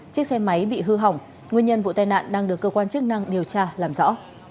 chiếc xe máy bị hư hỏng nguyên nhân vụ tai nạn đang được cơ quan chức năng điều tra làm rõ